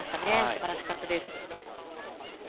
素晴らしかったです。